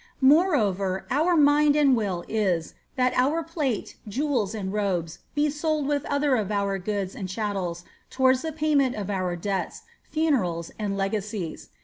Moreover, our mind and will is, that our plate, jewels, and robes, be sold with other of our goods and chattels, toM ards the payment of our debts, lune rels, and legacies.